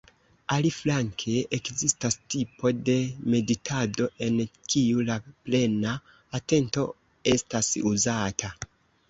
Aliflanke ekzistas tipo de meditado en kiu la "plena atento estas uzata".